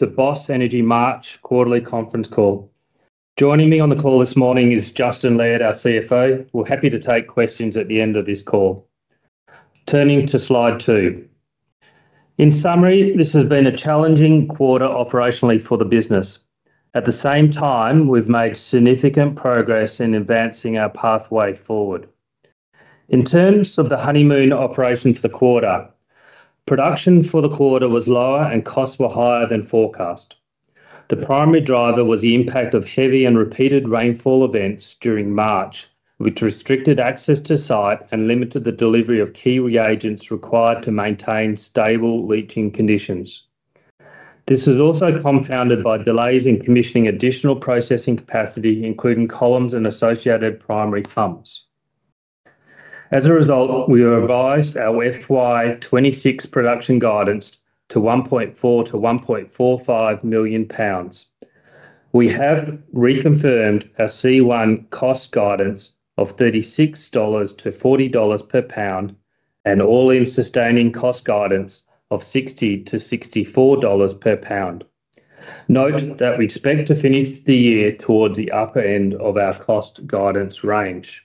Thanks. The Boss Energy March quarterly conference call. Joining me on the call this morning is Justin Laird, our CFO. We are happy to take questions at the end of this call. Turning to slide two. In summary, this has been a challenging quarter operationally for the business. At the same time, we have made significant progress in advancing our pathway forward. In terms of the Honeymoon operation for the quarter, production for the quarter was lower and costs were higher than forecast. The primary driver was the impact of heavy and repeated rainfall events during March, which restricted access to site and limited the delivery of key reagents required to maintain stable leaching conditions. This was also compounded by delays in commissioning additional processing capacity, including columns and associated primary pumps. As a result, we revised our FY2026 production guidance to 1.4 million-1.45 million pounds. We have reconfirmed our C1 cost guidance of 36-40 dollars per pound and all-in sustaining cost guidance of 60-64 dollars per pound. Note that we expect to finish the year towards the upper end of our cost guidance range.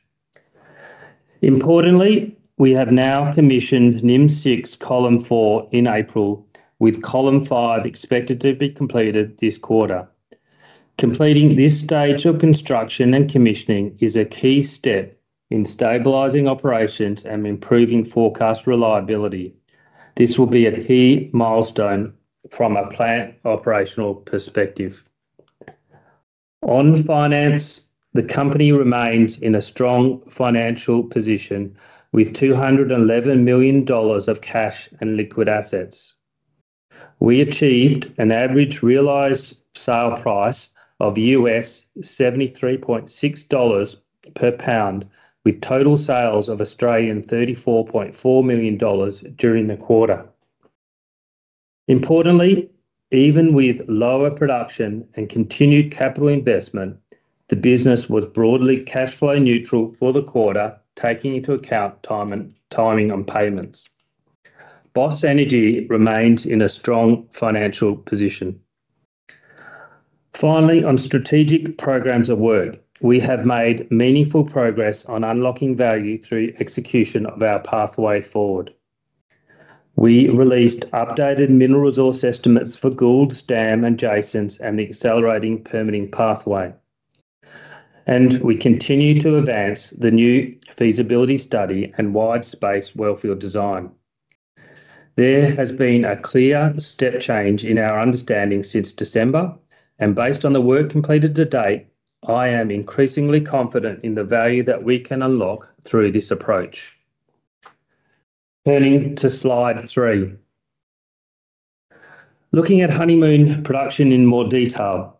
Importantly, we have now commissioned NIM six column four in April, with column five expected to be completed this quarter. Completing this stage of construction and commissioning is a key step in stabilizing operations and improving forecast reliability. This will be a key milestone from a plant operational perspective. On finance, the company remains in a strong financial position with 211 million dollars of cash and liquid assets. We achieved an average realized sale price of $73.6 per pound, with total sales of 34.4 million Australian dollars during the quarter. Importantly, even with lower production and continued capital investment, the business was broadly cash flow neutral for the quarter, taking into account time and timing on payments. Boss Energy remains in a strong financial position. Finally, on strategic programs of work, we have made meaningful progress on unlocking value through execution of our pathway forward. We released updated mineral resource estimates for Jasons and the accelerating permitting pathway. We continue to advance the Enhanced Feasibility Study and wide space wellfield design. There has been a clear step change in our understanding since December and based on the work completed to date, I am increasingly confident in the value that we can unlock through this approach. Turning to slide three. Looking at Honeymoon production in more detail.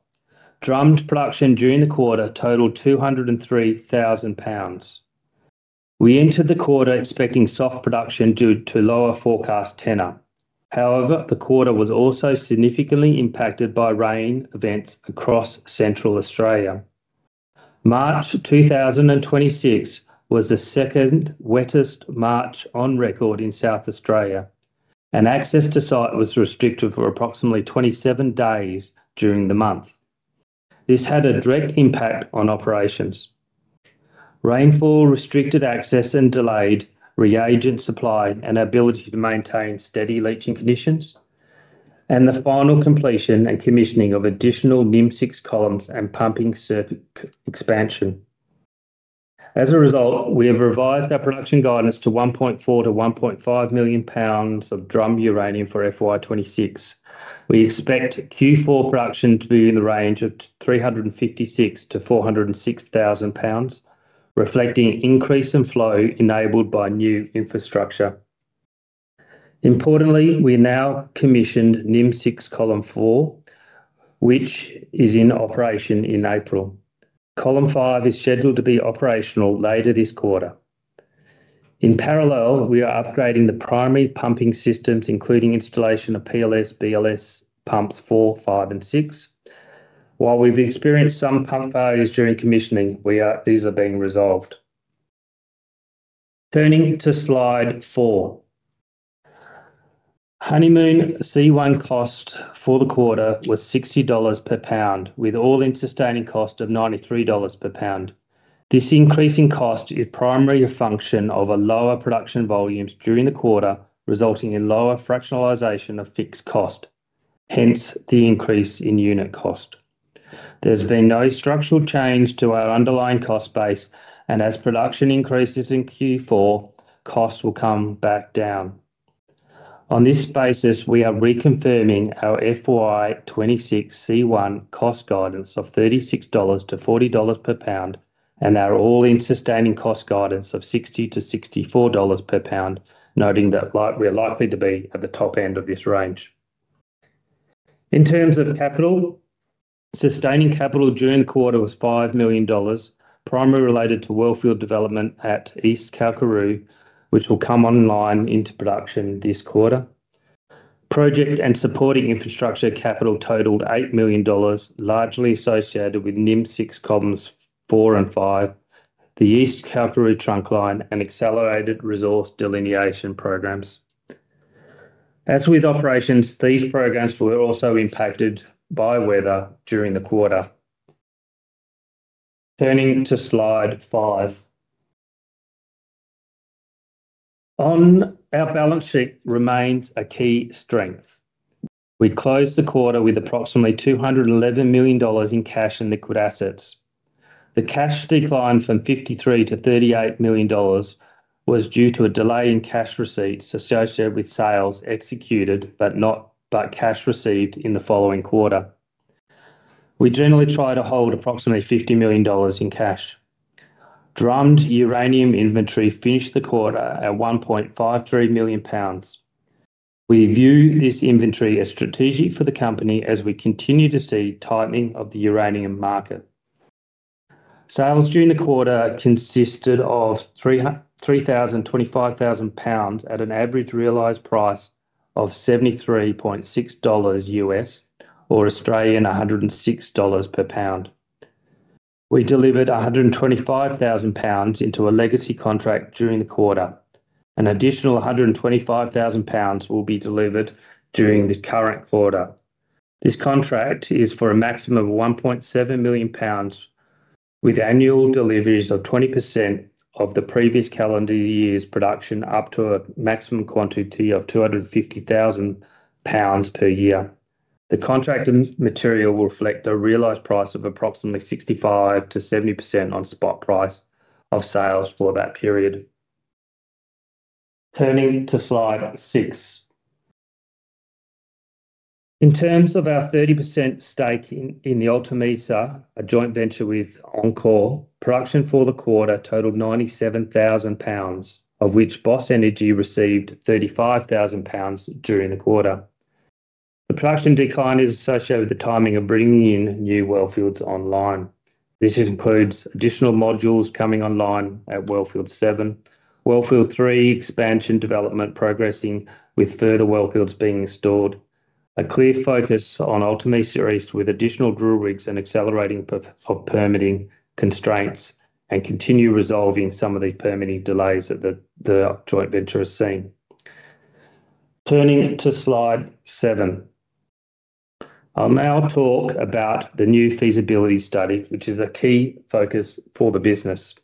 Drummed production during the quarter totaled 203,000 pounds. We entered the quarter expecting soft production due to lower forecast tenor. The quarter was also significantly impacted by rain events across Central Australia. March 2026 was the second wettest March on record in South Australia, and access to site was restricted for approximately 27 days during the month. This had a direct impact on operations. Rainfall restricted access and delayed reagent supply and ability to maintain steady leaching conditions, and the final completion and commissioning of additional NIM six columns and pumping circuit expansion. We have revised our production guidance to 1.4 million-1.5 million pounds of drummed uranium for FY 2026. We expect Q4 production to be in the range of 356,000-406,000 pounds, reflecting increase in flow enabled by new infrastructure. Importantly, we now commissioned NIM six column four, which is in operation in April. Column five is scheduled to be operational later this quarter. In parallel, we are upgrading the primary pumping systems, including installation of PLS, BLS pumps four, five and six. While we've experienced some pump failures during commissioning, these are being resolved. Turning to slide four. Honeymoon C1 cost for the quarter was 60 dollars per pound, with all-in sustaining cost of 93 dollars per pound. This increase in cost is primarily a function of a lower production volumes during the quarter, resulting in lower fractionalization of fixed cost, hence the increase in unit cost. There's been no structural change to our underlying cost base, and as production increases in Q4, costs will come back down. On this basis, we are reconfirming our FY26 C1 cost guidance of 36-40 dollars per pound and our all-in sustaining cost guidance of 60-64 dollars per pound, noting that we are likely to be at the top end of this range. In terms of capital, sustaining capital during the quarter was 5 million dollars, primarily related to wellfield development at East Kalkaroo, which will come online into production this quarter. Project and supporting infrastructure capital totaled 8 million dollars, largely associated with NIM six columns four and five, the East Kalkaroo trunk line and accelerated resource delineation programs. As with operations, these programs were also impacted by weather during the quarter. Turning to Slide five. On our balance sheet remains a key strength. We closed the quarter with approximately 211 million dollars in cash and liquid assets. The cash decline from 53 million to 38 million dollars was due to a delay in cash receipts associated with sales executed, but not by cash received in the following quarter. We generally try to hold approximately 50 million dollars in cash. Drummed uranium inventory finished the quarter at 1.53 million pounds. We view this inventory as strategic for the company as we continue to see tightening of the uranium market. Sales during the quarter consisted of 3,000, 25,000 pounds at an average realized price of $73.6 or 106 Australian dollars per pound. We delivered 125,000 pounds into a legacy contract during the quarter. An additional 125,000 pounds will be delivered during this current quarter. This contract is for a maximum of 1.7 million pounds, with annual deliveries of 20% of the previous calendar year's production up to a maximum quantity of 250,000 pounds per year. The contracted material will reflect a realized price of approximately 65%-70% on spot price of sales for that period. Turning to Slide six. In terms of our 30% stake in the Alta Mesa, a joint venture with enCore, production for the quarter totaled 97,000 pounds, of which Boss Energy received 35,000 pounds during the quarter. The production decline is associated with the timing of bringing in new wellfields online. This includes additional modules coming online at Wellfield seven, Wellfield three expansion development progressing with further wellfields being installed. A clear focus on Alta Mesa East with additional drill rigs and accelerating of permitting constraints and continue resolving some of the permitting delays that the joint venture has seen. Turning to slide seven. I'll now talk about the new feasibility study, which is a key focus for the business.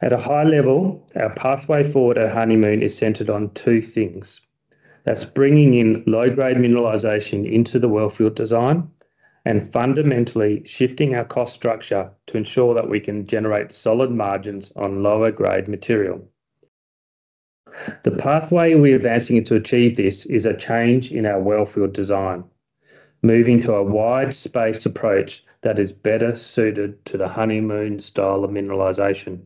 At a high level, our pathway forward at Honeymoon is centered on two things. That's bringing in low-grade mineralization into the wellfield design and fundamentally shifting our cost structure to ensure that we can generate solid margins on lower grade material. The pathway we're advancing to achieve this is a change in our wellfield design, moving to a wide-spaced approach that is better suited to the Honeymoon style of mineralization.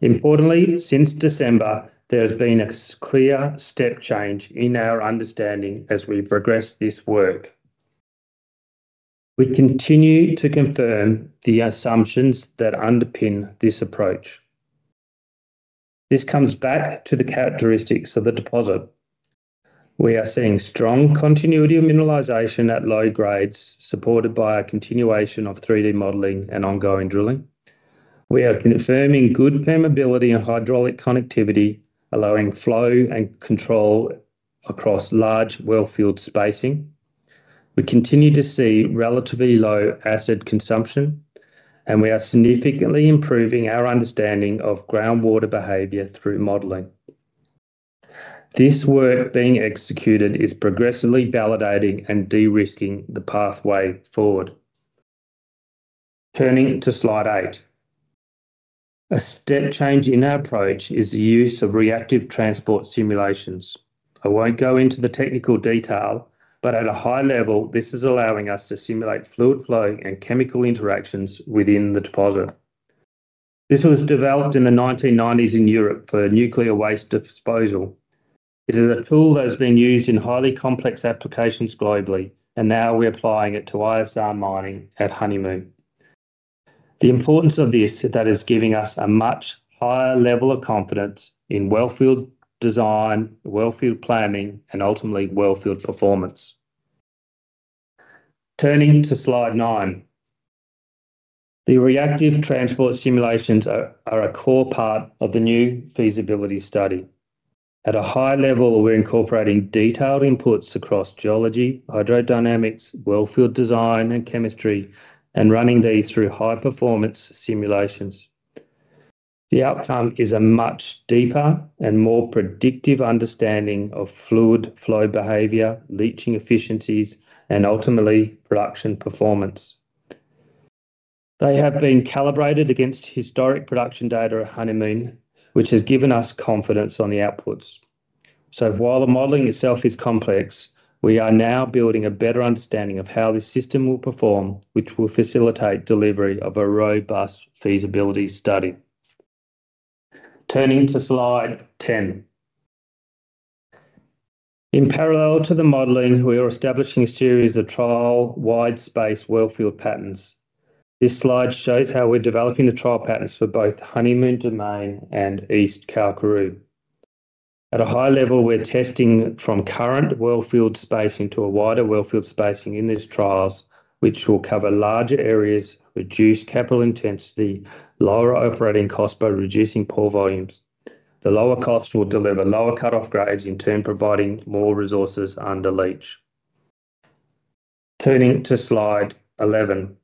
Importantly, since December, there has been a clear step change in our understanding as we've progressed this work. We continue to confirm the assumptions that underpin this approach. This comes back to the characteristics of the deposit. We are seeing strong continuity of mineralization at low grades, supported by a continuation of three-day modeling and ongoing drilling. We are confirming good permeability and hydraulic connectivity, allowing flow and control across large wellfield spacing. We continue to see relatively low acid consumption, and we are significantly improving our understanding of groundwater behavior through modeling. This work being executed is progressively validating and de-risking the pathway forward. Turning to slide eight. A step change in our approach is the use of reactive transport simulations. I won't go into the technical detail, but at a high level, this is allowing us to simulate fluid flow and chemical interactions within the deposit. This was developed in the 1990s in Europe for nuclear waste disposal. It is a tool that has been used in highly complex applications globally, and now we're applying it to ISR mining at Honeymoon. The importance of this is that it's giving us a much higher level of confidence in wellfield design, wellfield planning, and ultimately wellfield performance. Turning to slide nine. The reactive transport simulations are a core part of the new feasibility study. At a high level, we're incorporating detailed inputs across geology, hydrodynamics, wellfield design, and chemistry, and running these through high-performance simulations. The outcome is a much deeper and more predictive understanding of fluid flow behavior, leaching efficiencies, and ultimately production performance. They have been calibrated against historic production data at Honeymoon, which has given us confidence on the outputs. While the modeling itself is complex, we are now building a better understanding of how this system will perform, which will facilitate delivery of a robust feasibility study. Turning to slide 10. In parallel to the modeling, we are establishing a series of trial wide-space wellfield patterns. This slide shows how we're developing the trial patterns for both Honeymoon Domain and East Kalkaroo. At a high level, we're testing from current well field spacing to a wider well field spacing in these trials, which will cover larger areas, reduce capital intensity, lower operating costs by reducing pore volumes. The lower costs will deliver lower cut-off grades, in turn providing more resources under leach. Turning to slide 11.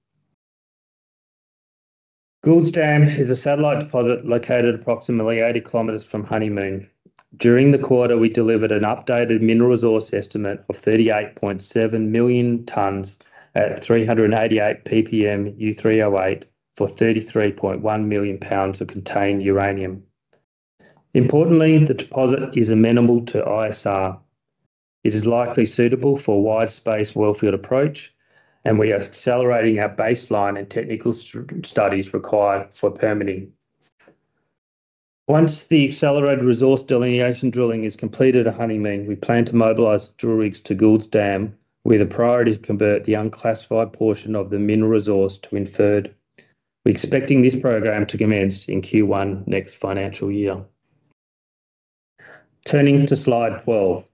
Goulds Dam is a satellite deposit located approximately 80 km from Honeymoon. During the quarter, we delivered an updated mineral resource estimate of 38.7 million tons at 388 ppm U3O8 for 33.1 million pounds of contained uranium. Importantly, the deposit is amenable to ISR. It is likely suitable for wide space well field approach, and we are accelerating our baseline and technical studies required for permitting. Once the accelerated resource delineation drilling is completed at Honeymoon, we plan to mobilize drill rigs to Goulds Dam, where the priority is to convert the unclassified portion of the mineral resource to inferred. We're expecting this program to commence in Q1 next financial year. Turning to slide 12.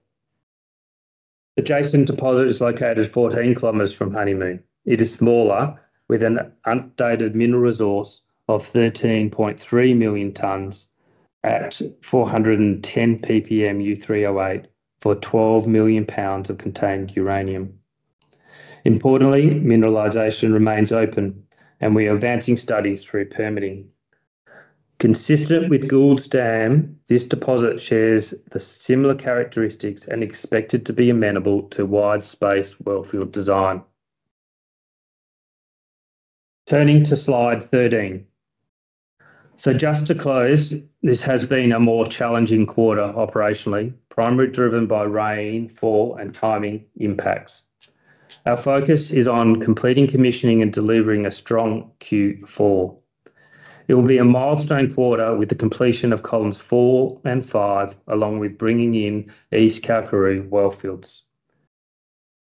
Adjacent deposit is located 14 km from Honeymoon. It is smaller with an updated mineral resource of 13.3 million tons at 410 ppm U3O8 for 12 million pounds of contained uranium. Importantly, mineralization remains open, and we are advancing studies through permitting. Consistent with Goulds Dam, this deposit shares the similar characteristics and expected to be amenable to wide space well field design. Turning to slide 13. Just to close, this has been a more challenging quarter operationally, primarily driven by rainfall and timing impacts. Our focus is on completing commissioning and delivering a strong Q4. It will be a milestone quarter with the completion of columns four and five, along with bringing in East Kalkaroo well fields.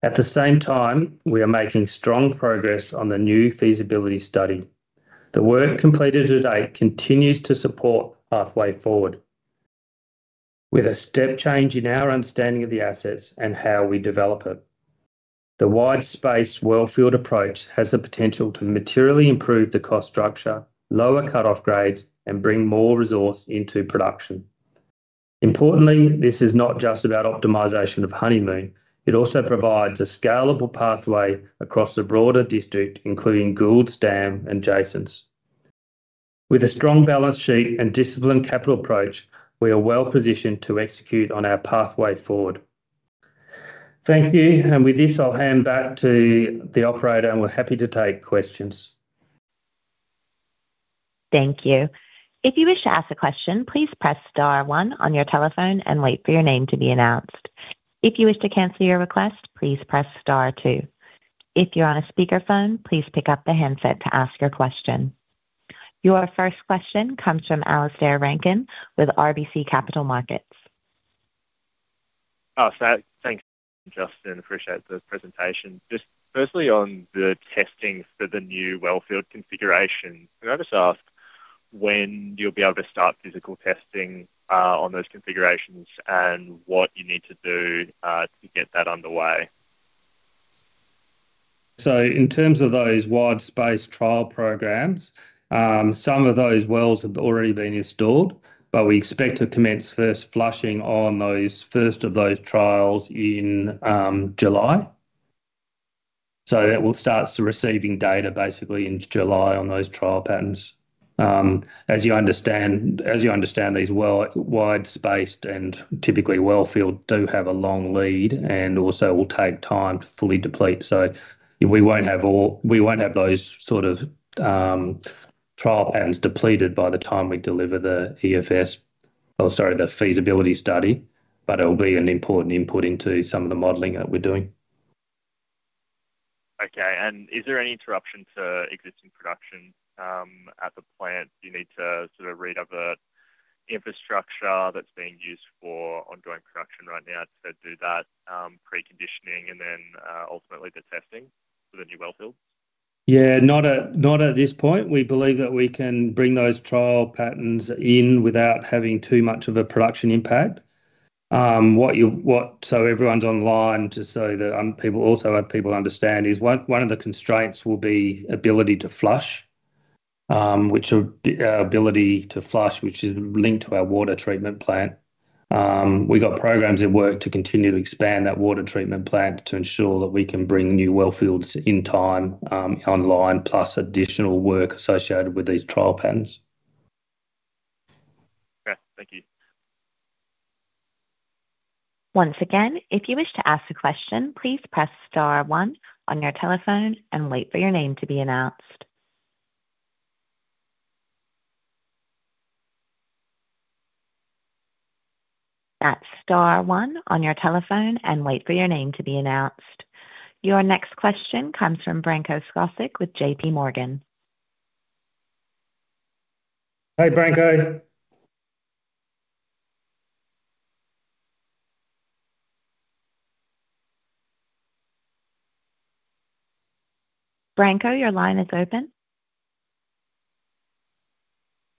At the same time, we are making strong progress on the new feasibility study. The work completed to date continues to support our way forward. With a step change in our understanding of the assets and how we develop it, the wide space well field approach has the potential to materially improve the cost structure, lower cut-off grades, and bring more resource into production. Importantly, this is not just about optimization of Honeymoon. It also provides a scalable pathway across the broader district, including Goulds Dam and Jasons. With a strong balance sheet and disciplined capital approach, we are well-positioned to execute on our pathway forward. Thank you. With this, I'll hand back to the operator and we're happy to take questions. Your first question comes from Alistair Rankin with RBC Capital Markets. Thanks, Justin. Appreciate the presentation. Firstly on the testing for the new well field configuration. Can I just ask when you'll be able to start physical testing on those configurations and what you need to do to get that underway? In terms of those wide space trial programs, some of those wells have already been installed, but we expect to commence first flushing on those first of those trials in July. That will start receiving data basically in July on those trial patterns. As you understand, these well-wide spaced and typically well field do have a long lead and also will take time to fully deplete. We won't have those sort of trial patterns depleted by the time we deliver the EFS, or sorry, the feasibility study, but it'll be an important input into some of the modeling that we're doing. Okay. Is there any interruption to existing production at the plant? Do you need to sort of read over infrastructure that's being used for ongoing production right now to do that preconditioning and then ultimately the testing for the new well fields? Not at this point. We believe that we can bring those trial patterns in without having too much of a production impact. So everyone's online to so that people also understand is one of the constraints will be ability to flush, which is linked to our water treatment plant. We got programs at work to continue to expand that water treatment plant to ensure that we can bring new well fields in time online, plus additional work associated with these trial patterns. Okay. Thank you. Once again, if you wish to ask a question, please Press Star one on your telephone and wait for your name to be announced. That's star one on your telephone and wait for your name to be announced. Your next question comes from Branko Skocek with JP Morgan. Hi, Branko. Branko, your line is open.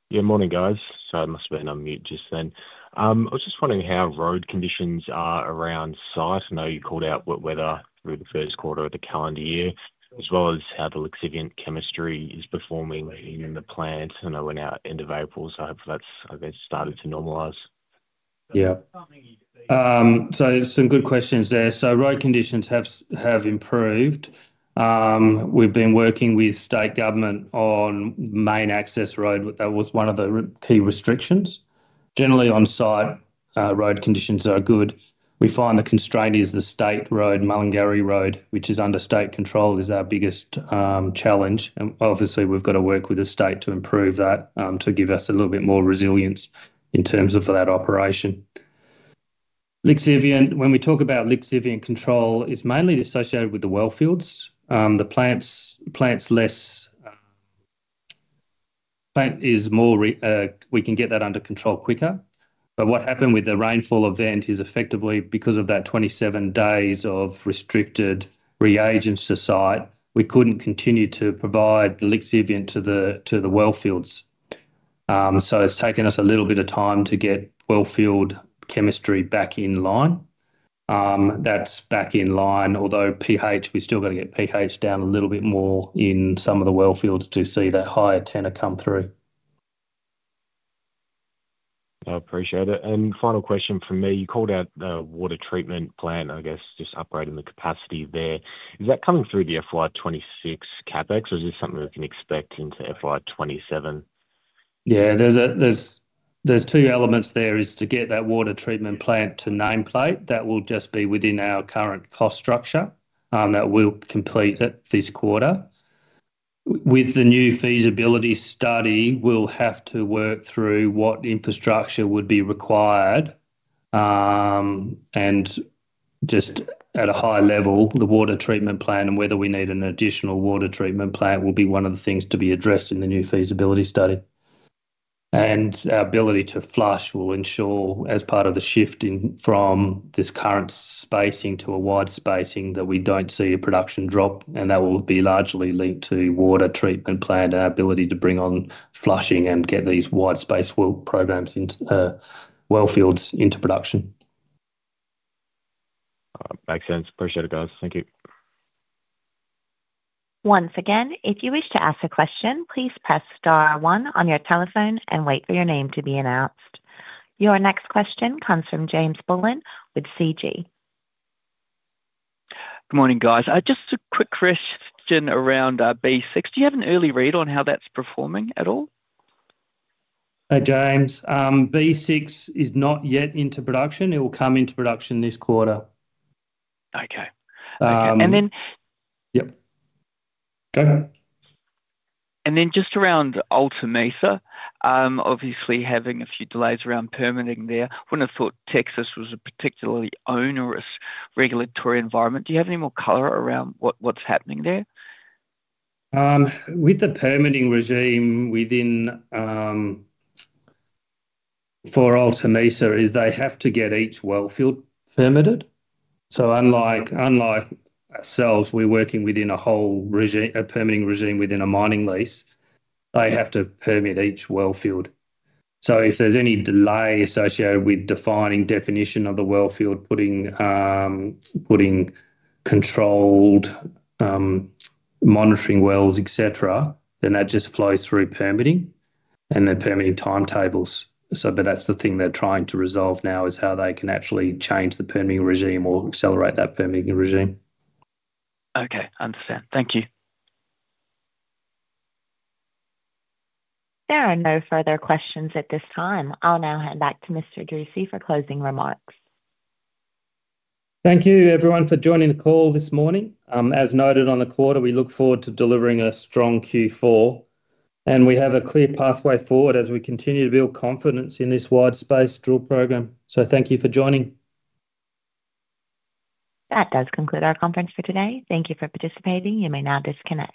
Yeah, morning, guys. I must've been on mute just then. I was just wondering how road conditions are around site. I know you called out wet weather through the first quarter of the calendar year, as well as how the lixiviant chemistry is performing in the plant. I know we're now end of April, so hopefully that's, I guess, started to normalize. Yeah. Some good questions there. Road conditions have improved. We've been working with state government on main access road. That was one of the key restrictions. Generally on site, road conditions are good. We find the constraint is the state road, Mulungirri Road, which is under state control, is our biggest challenge. Obviously we've got to work with the state to improve that, to give us a little bit more resilience in terms of that operation. Lixiviant, when we talk about Lixiviant control, it's mainly associated with the well fields. The plants less. Plant is more, we can get that under control quicker. What happened with the rainfall event is effectively because of that 27 days of restricted reagents to site, we couldn't continue to provide the Lixiviant to the, to the well fields. It's taken us a little bit of time to get well field chemistry back in line. That's back in line, although pH, we still gotta get pH down a little bit more in some of the well fields to see that higher tenor come through. I appreciate it. Final question from me. You called out the water treatment plant, I guess just upgrading the capacity there. Is that coming through the FY2026 CapEx or is this something we can expect into FY2027? Yeah. There's two elements there, is to get that water treatment plant to nameplate. That will just be within our current cost structure, that we'll complete at this quarter. With the new feasibility study, we'll have to work through what infrastructure would be required, and just at a high level, the water treatment plant and whether we need an additional water treatment plant will be one of the things to be addressed in the new feasibility study. Our ability to flush will ensure, as part of the shift in from this current spacing to a wide spacing, that we don't see a production drop, and that will be largely linked to water treatment plant and our ability to bring on flushing and get these wide space well programs into well fields into production. Makes sense. Appreciate it, guys. Thank you. Your next question comes from James Bullen with CG. Good morning, guys. Just a quick question around B6. Do you have an early read on how that's performing at all? James, B6 is not yet into production. It will come into production this quarter. Okay. Okay. And then- Yep. Go ahead. Just around Alta Mesa, obviously having a few delays around permitting there. Wouldn't have thought Texas was a particularly onerous regulatory environment. Do you have any more color around what's happening there? With the permitting regime within for Alta Mesa is they have to get each well field permitted. Unlike ourselves, we're working within a whole permitting regime within a mining lease. They have to permit each well field. If there's any delay associated with defining definition of the well field, putting controlled monitoring wells, et cetera, that just flows through permitting and the permitting timetables. That's the thing they're trying to resolve now, is how they can actually change the permitting regime or accelerate that permitting regime. Okay. Understand. Thank you. There are no further questions at this time. I'll now hand back to Mr. Dusci for closing remarks. Thank you, everyone, for joining the call this morning. As noted on the quarter, we look forward to delivering a strong Q4, and we have a clear pathway forward as we continue to build confidence in this wide space drill program. Thank you for joining. That does conclude our conference for today. Thank you for participating. You may now disconnect.